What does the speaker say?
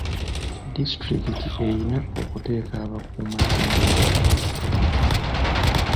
Disitulikiti erina okuteeka abakuumaddembe mu kitundu.